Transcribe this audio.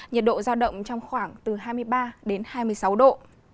nhiệt độ giao động trong khoảng từ hai mươi ba đến hai mươi sáu độ